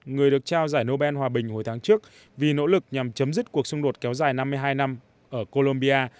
người được trao giải nobel hòa bình hồi tháng trước vì nỗ lực nhằm chấm dứt cuộc xung đột kéo dài năm mươi hai năm ở colombia